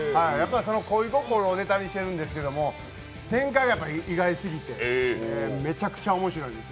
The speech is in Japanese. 恋心をネタにしてるんですけど展開が意外すぎてめちゃくちゃ面白いです。